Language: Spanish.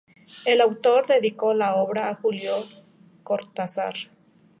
El autor dedicó la obra a Julio Cortázar.